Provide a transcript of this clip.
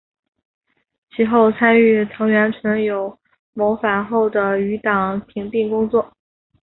其后参与藤原纯友谋反后的余党平定工作。